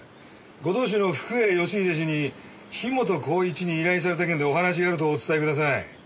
ご当主の福栄義英氏に樋本晃一に依頼された件でお話があるとお伝えください。